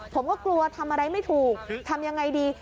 ผมก็กลัวทำอะไรไม่ถูกทำยังไงดี